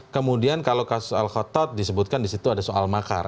kemudian kalau kasus al khattab disebutkan disitu ada soal makar